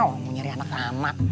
oh mau nyari anak anak